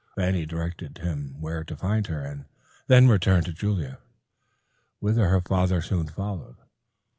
Fanny directed him where to find her, and then returned to Julia, whither her father soon followed.